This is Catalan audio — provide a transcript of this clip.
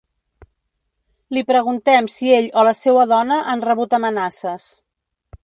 Li preguntem si ell o la seua dona han rebut amenaces.